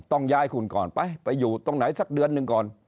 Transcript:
ต้องย้ายคุณก่อนไปไปอยู่ตรงไหนสักเดือนหนึ่งก่อน